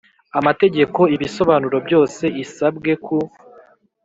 Amategeko ibisobanuro byose isabwe ku